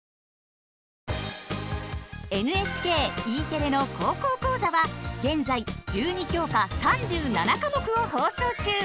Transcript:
ＮＨＫＥテレの「高校講座」は現在１２教科３７科目を放送中。